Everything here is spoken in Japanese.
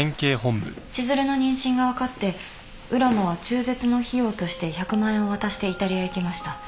千寿留の妊娠が分かって浦真は中絶の費用として１００万円を渡してイタリアへ行きました。